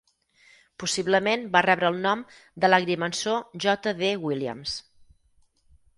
Possiblement va rebre el nom de l'agrimensor J.D. Williams.